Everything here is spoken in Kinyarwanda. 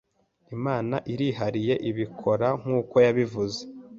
Imana irihariye ibikora nkuko yabivuze.